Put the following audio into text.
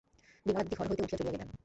বিমলাদিদি ঘর হইতে উঠিয়া চলিয়া গেলেন।